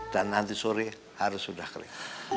dan nanti sore harus sudah kelihatan